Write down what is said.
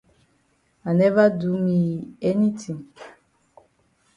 I never do me yi anytin.